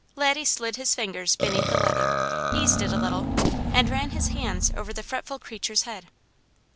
Laddie slid his fingers beneath the leather, eased it a little, and ran his hands over the fretful creature's head.